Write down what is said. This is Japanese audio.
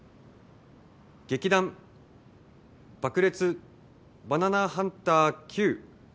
劇団爆裂バナナハンターＱ